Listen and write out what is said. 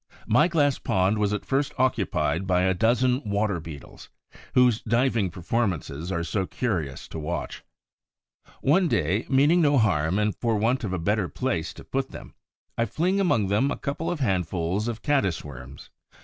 My glass pond was at first occupied by a dozen Water beetles, whose diving performances are so curious to watch. One day, meaning no harm and for want of a better place to put them, I fling among them a couple of handfuls of Caddis worms.